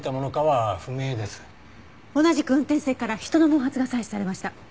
同じく運転席から人の毛髪が採取されました。